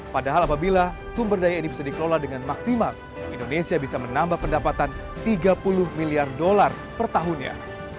padahal apabila sumber daya ini bisa dikelola dengan maksimal indonesia bisa menambah pendapatan tiga puluh miliar dolar per tahunnya